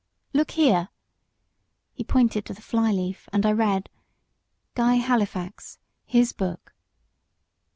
"Look here." He pointed to the fly leaf, and I read: "Guy Halifax, his Book.